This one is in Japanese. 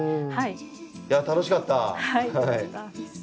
いや楽しかった！